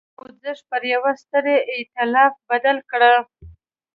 خوځښت پر یوه ستر اېتلاف بدل کړي.